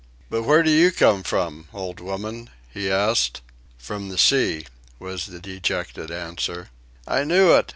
"But where do you come from, old woman?" he asked. "From the sea," was the dejected answer. "I knew it!